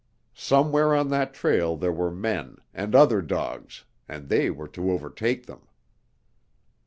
Somewhere on that trail there were men, and other dogs, and they were to overtake them!